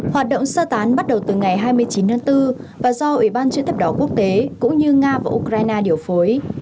hoạt động sơ tán bắt đầu từ ngày hai mươi chín tháng bốn và do ủy ban chữ thập đỏ quốc tế cũng như nga và ukraine điều phối